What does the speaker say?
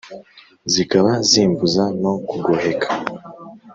zikaba zimbuza no kugoheka